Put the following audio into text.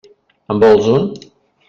En vols un?